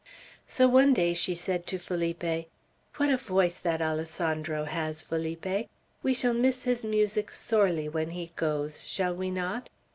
So one day she said to Felipe: "What a voice that Alessandro has, Felipe. We shall miss his music sorely when he goes, shall we not?"